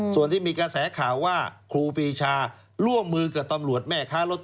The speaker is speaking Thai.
ส่วนที่มีกระแสข่าวว่าครูปีชาร่วมมือกับตำรวจแม่ค้ารถ